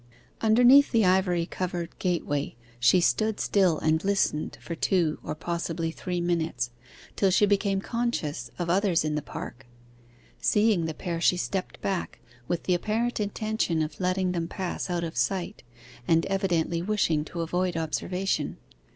Underneath the ivy covered gateway she stood still and listened for two, or possibly three minutes, till she became conscious of others in the park. Seeing the pair she stepped back, with the apparent intention of letting them pass out of sight, and evidently wishing to avoid observation.